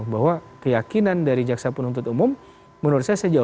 bahwa keyakinan dari jaksa penuntut umum menurut saya sejauh